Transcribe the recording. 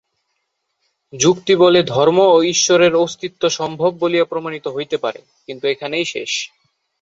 যুক্তিবলে ধর্ম ও ঈশ্বরের অস্তিত্ব সম্ভব বলিয়া প্রমাণিত হইতে পারে, কিন্তু ঐখানেই শেষ।